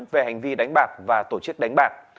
về hành vi đánh bạc và tổ chức đánh bạc